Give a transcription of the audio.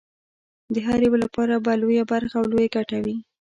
د هر یوه لپاره به لویه برخه او لویه ګټه وي.